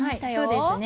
そうですね。